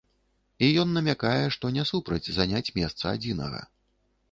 І ён намякае, што не супраць заняць месца адзінага.